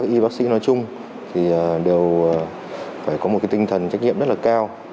y bác sĩ nói chung thì đều phải có một tinh thần trách nhiệm rất là cao